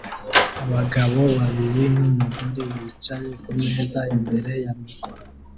Abagabo babiri numugore bicaye kumeza imbere ya mikoro